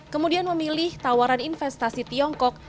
kemudian memilih tawaran investasi tiongkok